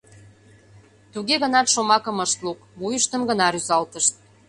Туге гынат шомакым ышт лук, вуйыштым гына рӱзалтышт.